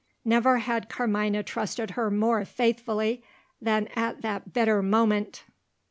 Never had Carmina trusted her more faithfully than at that bitter moment!